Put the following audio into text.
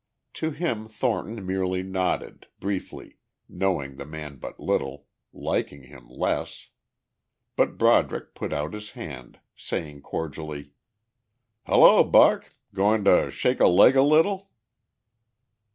To him Thornton merely nodded, briefly, knowing the man but little, liking him less. But Broderick put out his hand, saying cordially: "Hello, Buck. Going to shake a leg a little?"